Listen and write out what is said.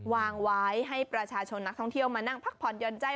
วางไว้ให้ประชาชนนักท่องเที่ยวมานั่งพักผ่อนหย่อนใจ